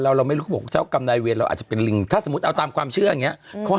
แล้วเป็นลิงตัวใหญ่